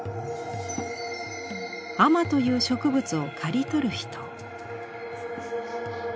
亜麻という植物を刈り取る人。